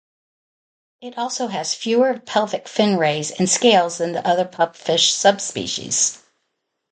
It also has fewer pelvic fin rays and scales than the other pupfish subspecies.